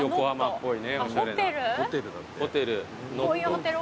ホテル。